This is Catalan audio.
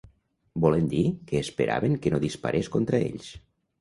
Volent dir que esperaven que no disparés contra ells